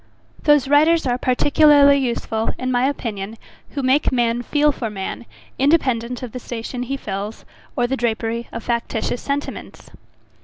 Those writers are particularly useful, in my opinion, who make man feel for man, independent of the station he fills, or the drapery of factitious sentiments.